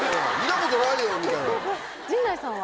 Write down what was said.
陣内さんは？